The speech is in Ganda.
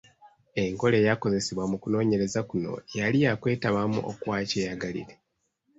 Enkola eyakozesebwa mu kunoonyereza kuno yali yakwetabamu okwa kyeyagalire.